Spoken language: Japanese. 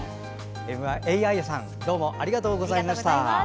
エイ、アイさんどうもありがとうございました。